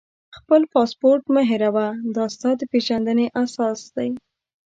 خپل پاسپورټ مه هېروه، دا ستا د پېژندنې اساس دی.